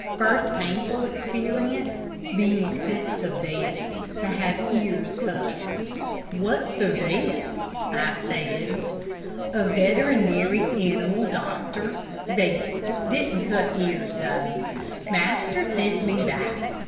First painful experience being sent to vet. to have ears cut." "What's a vet.?" I said. "A veterinary animal doctor. Vet. didn't cut ears enough. Master sent me back.